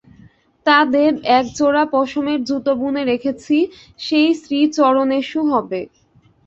তা দেব– একজোড়া পশমের জুতো বুনে রেখেছি, সেই শ্রীচরণেষু হবে।